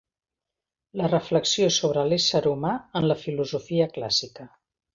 La reflexió sobre l'ésser humà en la filosofia clàssica